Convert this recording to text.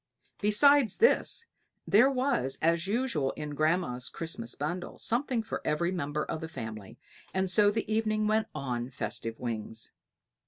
Besides this there was, as usual in grandmamma's Christmas bundle, something for every member of the family; and so the evening went on festive wings.